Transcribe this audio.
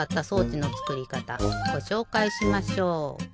ごしょうかいしましょう。